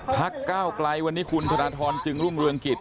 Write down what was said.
ภักดิ์เก้าไกลวันนี้คุณธนทรรภ์จึงรุ่งเรืองกิจ